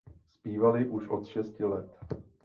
Zpívaly už od šesti let.